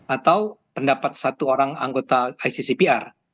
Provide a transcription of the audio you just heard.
atau pendapat satu orang anggota iccpr